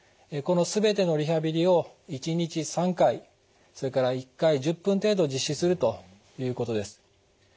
この全てのリハビリを１日３回それから１回１０分程度実施するということです。